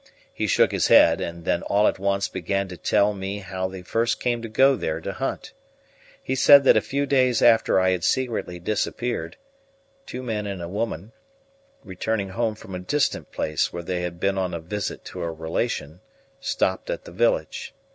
He shook his head, and then all at once began to tell me how they first came to go there to hunt. He said that a few days after I had secretly disappeared, two men and a woman, returning home from a distant place where they had been on a visit to a relation, stopped at the village.